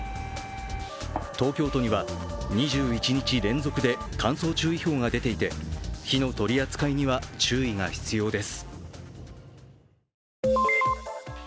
東京都には２１日連続で乾燥注意報が出ていて火の取り扱いには、注意が必要です。